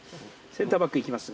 センターバックいきます。